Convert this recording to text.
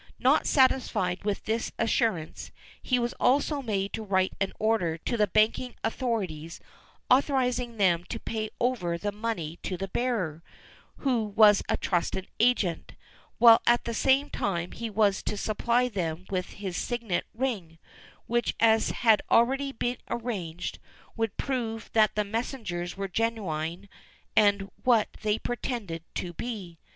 Not satisfied with this assurance, he was also made to write an order to the banking authorities authorizing them to pay over the money to the bearer, who was a trusted agent, while at the same time he was to supply them with his signet ring, which, as had already been arranged, would prove that the messengers were genuine and what they pretended to be.